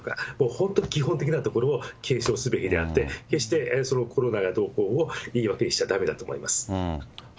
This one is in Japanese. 本当、基本的なところを検証すべきであって、決してコロナがどうこうを言い訳にしちゃだめだと思います。